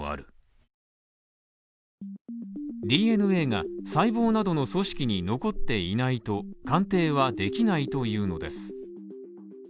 ＤＮＡが細胞などの組織に残っていないと鑑定はできないというのです。